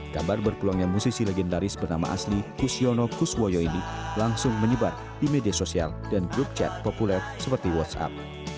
kabar berpulangnya musisi legendaris bernama asli kusyono kuswoyo ini langsung menyebar di media sosial dan grup chat populer seperti whatsapp